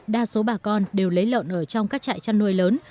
đa số bà con đều lấy lợn ở trong các trại chăn nuôi lớn